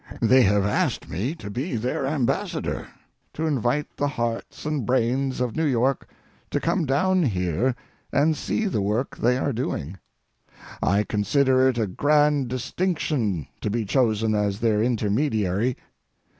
They have asked me to be their ambassador to invite the hearts and brains of New York to come down here and see the work they are doing. I consider it a grand distinction to be chosen as their intermediary.